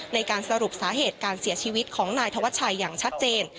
ในการสรุปสาเหตุการเสียชีวิตของนายธวัชชัยอย่างชัดเจน